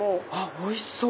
おいしそう！